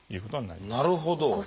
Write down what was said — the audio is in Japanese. なるほど。